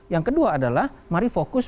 yang kedua adalah mari fokus